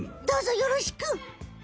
どうぞよろしく！